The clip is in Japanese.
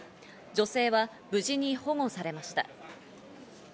女性は無事に保護されました。